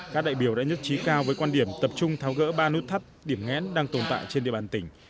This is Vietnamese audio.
các đại biểu đã nhất trí cao với quan điểm tập trung tháo gỡ ba nút thắt điểm ngẽn đang tồn tại trên địa bàn tỉnh